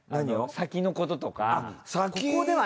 先のこととか。